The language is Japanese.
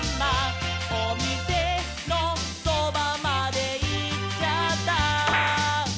「おみせのそばまでいっちゃった」